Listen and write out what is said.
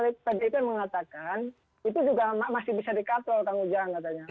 walaupun memang pdip pdip yang mengatakan itu juga masih bisa dikatol kang ujahan katanya